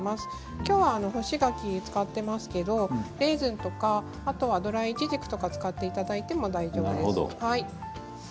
きょうは干し柿を使っていますけれどもレーズンとかあとはドライイチジクとかを使っていただいても大丈夫です。